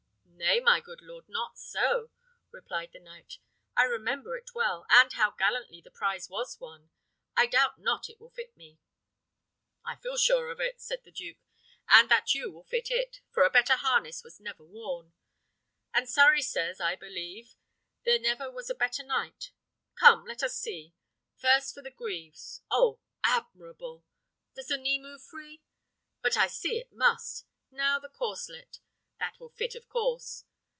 "Nay, my good lord, not so," replied the knight; "I remember it well, and how gallantly the prize was won. I doubt not it will fit me." "I feel full sure of it," said the duke, "and that you will fit it, for a better harness was never worn; and Surrey says, and I believe, there never was a better knight. Come! let us see; first, for the greaves. Oh, admirable! Does the knee move free? But I see it must. Now the corslet: that will fit of course.